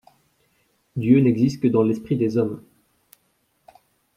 Dieu n’existe que dans l’esprit des hommes.